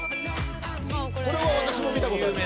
これは私も見たことある。